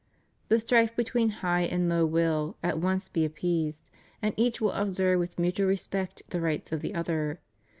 The strife between high and low will at once be appeased, and each will observe with mutual respect the rights of the other.